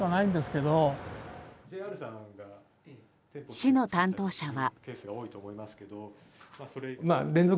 市の担当者は。